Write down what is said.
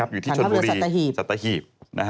อยู่ที่ชนบุรีสัตหีบ